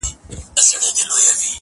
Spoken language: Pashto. ورور ځان ته سزا ورکوي تل